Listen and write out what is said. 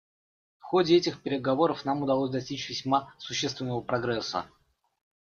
В ходе этих переговоров нам удалось достичь весьма существенного прогресса.